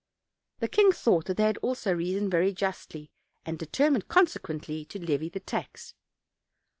The king thought that they also reasoned very justly, and determined, consequently, to levy the tax.